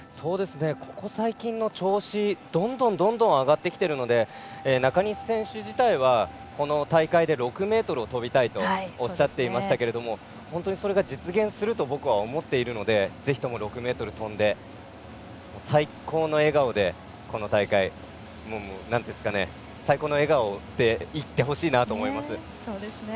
ここ最近の調子どんどん上がってきているので中西選手自体はこの大会で６ｍを跳びたいとおっしゃっていましたが本当にそれが実現すると僕は思っているのでぜひとも６ｍ跳んで最高の笑顔でいってほしいなと思います。